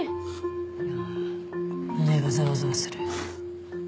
ああ胸がざわざわする。